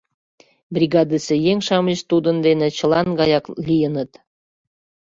Бригадысе еҥ-шамыч тудын дене чылан гаяк лийыныт.